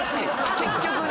結局ね。